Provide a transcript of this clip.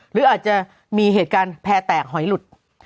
หรืออาจจะมีเหตุการณ์แพร่แตกหอยหลุด